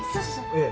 ええ。